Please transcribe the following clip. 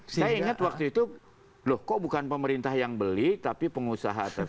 saya ingat waktu itu loh kok bukan pemerintah yang beli tapi pengusaha tersebut